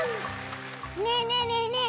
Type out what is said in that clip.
ねえねえねえねえ